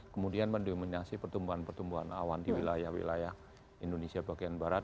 kemudian mendominasi pertumbuhan pertumbuhan awan di wilayah wilayah indonesia bagian barat